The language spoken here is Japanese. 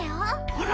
あら。